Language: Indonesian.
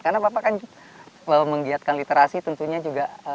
karena bapak kan menggiatkan literasi tentunya juga